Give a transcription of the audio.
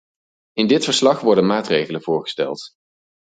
In dit verslag worden maatregelen voorgesteld.